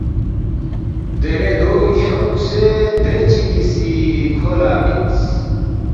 دیرے دو کھیونگسے درے چگی سی کھو لہ مِنس